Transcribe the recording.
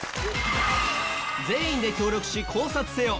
全員で協力し考察せよ。